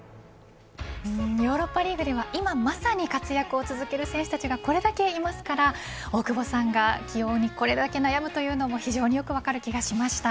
ヨーロッパリーグでは今まさに活躍を続ける選手たちがこれだけいますから大久保さんが起用にこれだけ悩むというのも非常によく分かる気がしました。